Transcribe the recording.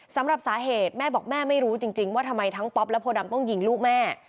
สำหรับสาเหตุแม่บอกแม่ไม่รู้จริงว่าทำไมทั้งป๊อปและโพดำต้องยิงลูกแม่